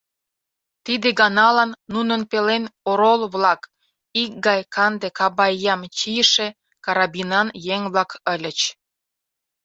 Тиде ганалан нунын пелен орол-влак — икгай канде кабайям чийыше, карабинан еҥ-влак ыльыч.